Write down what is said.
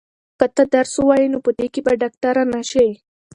که ته درس ووایې نو په دې کې به ډاکټره نه شې.